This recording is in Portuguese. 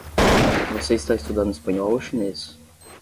Você está estudando espanhol ou chinês?